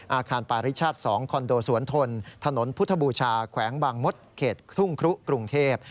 อาคารปาริชาติ๒คอนโดสวนทนถนนพุทธบูชาแขวงบางมดเขตคลุ่งครุกรุงเทพ